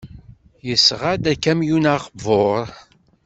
Yesɣa-d akamyun aqbur.